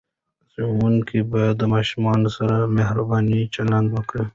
ښوونکي باید د ماشوم سره مهربانه چلند وکړي.